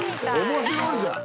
面白いじゃん。